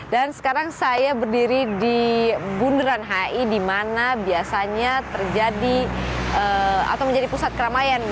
dan sekarang saya berdiri di bunderan hi di mana biasanya terjadi atau menjadi pusat keramaian